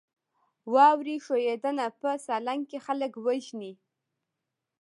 واورې ښویدنه په سالنګ کې خلک وژني؟